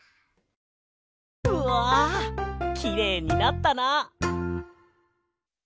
うわきれいになったな！